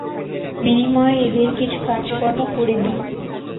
বিনিময়ে এদের কিছু কাজকর্ম করে দিই।